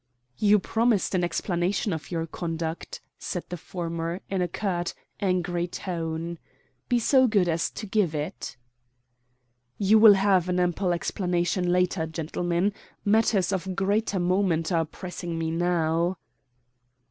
"You promised an explanation of your conduct," said the former in a curt, angry tone. "Be so good as to give it." "You will have an ample explanation later, gentlemen. Matters of greater moment are pressing me now."